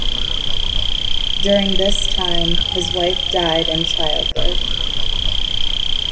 During this time his wife died in child birth.